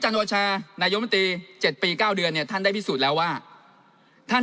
โอชานายมนตรี๗ปี๙เดือนเนี่ยท่านได้พิสูจน์แล้วว่าท่าน